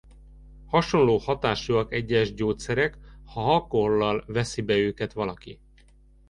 Hasonló hatásúak egyes gyógyszerek ha alkohollal veszi be őket valaki.